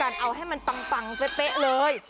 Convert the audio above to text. การเอาให้มันปังเฟ้ยเตะเลย